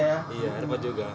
jangan berubahlah aja